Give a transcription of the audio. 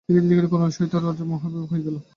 দেখিতে দেখিতে করুণার সহিত রজনীর মহা ভাব হইয়া গেল।